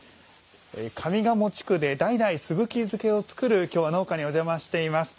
上賀茂地区で代々すぐき漬けを作る農家にお邪魔しています。